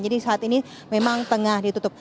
jadi saat ini memang tengah ditutup